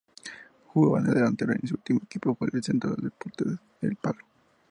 Jugaba de delantero y su último equipo fue el Centro de Deportes El Palo.